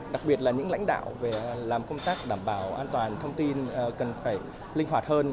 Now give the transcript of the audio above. đặc biệt là những lãnh đạo về làm công tác đảm bảo an toàn thông tin cần phải linh hoạt hơn